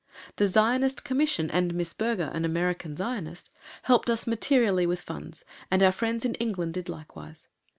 The Zionist Commission and Miss Berger, an American Zionist, helped us materially with funds, and our friends in England did likewise.